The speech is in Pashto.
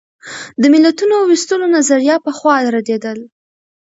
د ملتونو وېستلو نظریه پخوا ردېده.